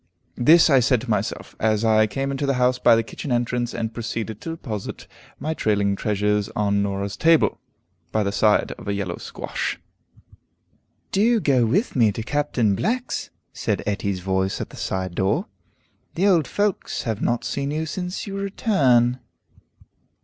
This I said to myself, as I came into the house by the kitchen entrance, and proceeded to deposit my trailing treasures on Norah's table, by the side of a yellow squash. "Do go with me to Captain Black's," said Etty's voice at the side door. "The old folks have not seen you since your return."